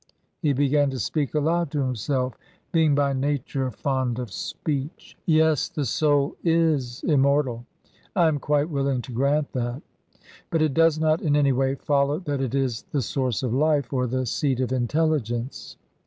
He began to speak aloud to himself, being by nature fond of speech. "Yes. The soul is immortal. I am quite willing to grant that. But it does not in any way follow that it is the source of life, or the seat of intelligence.